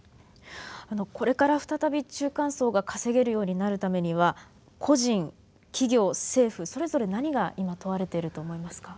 これから再び中間層が稼げるようになるためには個人企業政府それぞれ何が今問われていると思いますか。